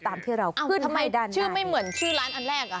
ทำที่เราขึ้นให้ด้านในชื่อไม่เหมือนชื่อร้านอันแรกเหรอคะ